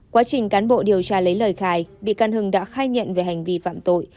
quá trình cán bộ điều tra lấy lời khai bị can hưng đã khai nhận về hành vi phạm tội